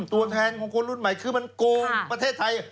ตัวแทนของคนรุ่นใหม่คือมันโกงประเทศไทย